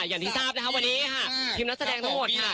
อย่างที่ทราบนะคะวันนี้ค่ะทีมนักแสดงทั้งหมดค่ะ